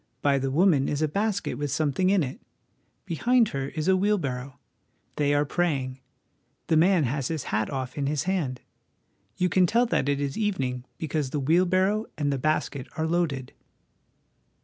By the woman is a basket with something in it ; behind her is a wheelbarrow. They are praying ; the man has his hat off in his hand. You can tell that it is evening, because the wheel barrow and the basket are loaded."